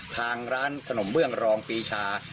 ทางร้านขนมเบื้องรองปีชา